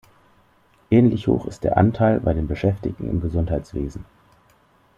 Ähnlich hoch ist der Anteil bei den Beschäftigten im Gesundheitswesen.